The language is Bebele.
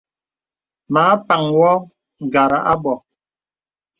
Mə a paŋ wɔ ngàrà à bɔ̄.